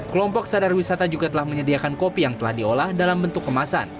kelompok sadar wisata juga telah menyediakan kopi yang telah diolah dalam bentuk kemasan